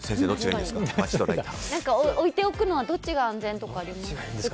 置いておくのはどっちが安全とかありますか？